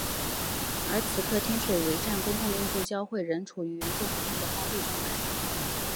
而此刻天水围站公共运输交汇处仍处于原封不动的荒废状态。